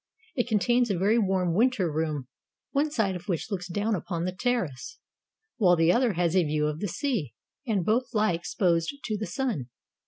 It contains a very warm winter room, one side of which looks down upon the terrace, while the other has a view of the sea, and both lie exposed to the sun.